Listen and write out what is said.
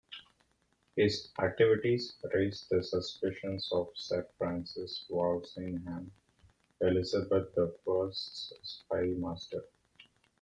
His activities raised the suspicions of Sir Francis Walsingham, Elizabeth the First's spymaster.